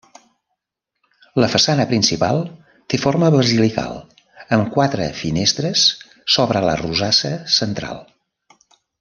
La façana principal té forma basilical amb quatre finestres sobre la rosassa central.